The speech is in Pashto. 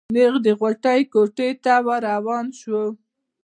نېغ د غوټۍ کوټې ته ور روان شو.